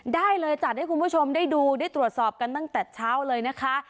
ได้เลยจัดให้คุณผู้ชมได้ดูได้ตรวจสอบกันตั้งแต่เช้าเลยนะคะ